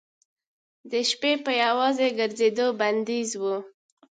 د شپې په یوازې ګرځېدو بندیز و.